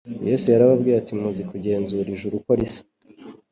Yesu yarababwiye ati : "Muzi kugenzura ijuru uko risa;"